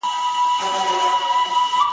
د قاضي عاید لا نور پسي زیاتېږي,